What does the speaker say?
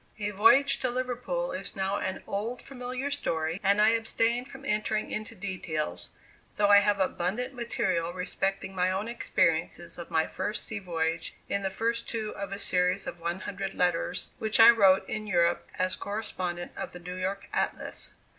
A voyage to Liverpool is now an old, familiar story, and I abstain from entering into details, though I have abundant material respecting my own experiences of my first sea voyage in the first two of a series of one hundred letters which I wrote in Europe as correspondent of the New York Atlas.